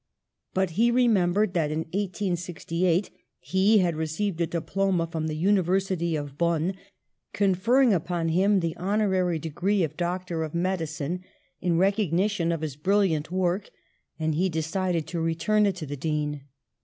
But he remembered that in 1868 he had received a diploma from the University of Bonn, conferring upon him the honorary de gree of Doctor of Medicine, in recognition of his brilliant work, and he decided to return it to the Dean.